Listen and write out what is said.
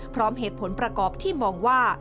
พร้อมเหตุผลประกอบที่มองว่า